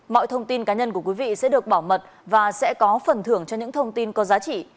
mọi thông tin cá nhân của quý vị sẽ được bảo mật và sẽ có phần thưởng cho những thông tin có giá trị